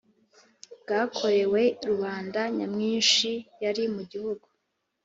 bwakorewe rubanda nyamwinshi yari mu gihugu.